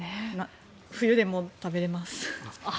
冬でも食べれます。